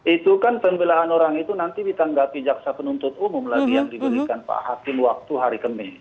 itu kan pembelahan orang itu nanti ditanggapi jaksa penuntut umum lagi yang diberikan pak hakim waktu hari kemih